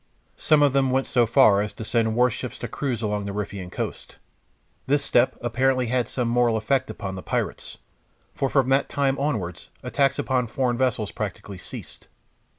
Some of them went so far as to send warships to cruise along the Riffian coast. This step apparently had some moral effect upon the pirates, for from that time onwards attacks upon foreign vessels practically ceased.